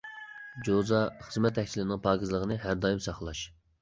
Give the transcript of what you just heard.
جوزا خىزمەت تەكچىلىرىنىڭ پاكىزلىقىنى ھەر دائىم ساقلاش.